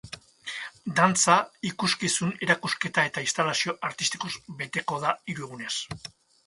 Dantza, ikuskizun, erakusketa eta instalazio artistikoz beteko da hiru egunez.